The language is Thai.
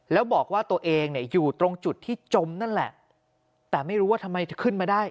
แล้วบอกว่าตัวเองเนี่ยอยู่ตรงจุดที่จมนั่นแหละแต่ไม่รู้ว่าทำไมขึ้นมาได้